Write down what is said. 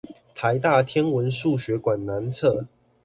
臺大天文數學館南側